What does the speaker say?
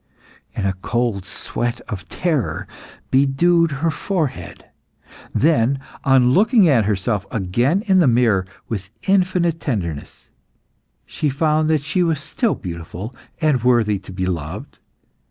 And a cold sweat of terror bedewed her forehead. Then, on looking at herself again in the mirror with infinite tenderness, she found that she was still beautiful and worthy to be loved.